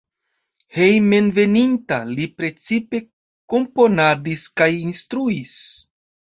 Hejmenveninta li precipe komponadis kaj instruis.